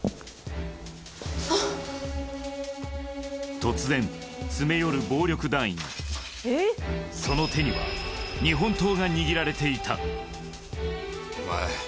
突然詰め寄る暴力団員その手には日本刀が握られていたお前